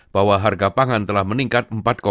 bahwa harga pangan telah meningkat empat delapan